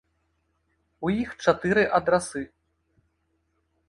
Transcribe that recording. У іх чатыры адрасы.